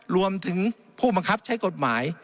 รวมถึงผู้บังคับใช้กฎหมาย